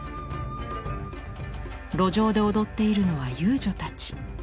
路上で踊っているのは遊女たち。